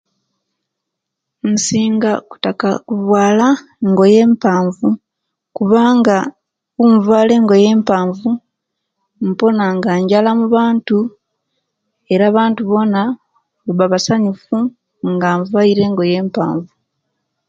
Nsinga kuttaka kuvaala engoye empaavu kubanga invaala engoye empaavu mboona nga njala omubantu era abantu boona nebaba basanyufu nga invaale engoye empaavu